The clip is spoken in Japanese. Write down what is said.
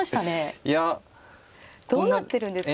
どうなってるんですか。